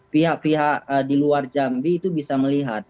pihak pihak di luar jambi itu bisa melihat